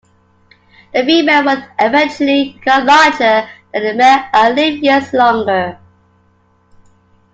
The female will eventually become larger than the male and live years longer.